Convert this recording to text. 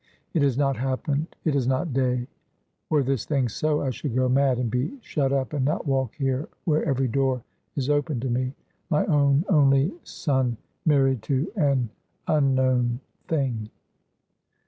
It has not happened! It is not day! Were this thing so, I should go mad, and be shut up, and not walk here where every door is open to me. My own only son married to an unknown thing!